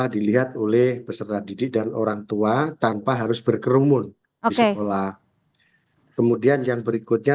dilihat oleh peserta didik dan orang tua tanpa harus berkerumun di sekolah kemudian yang berikutnya